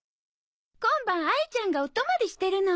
今晩あいちゃんがお泊まりしてるの。